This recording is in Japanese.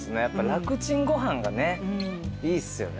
楽ちんご飯がねいいっすよね。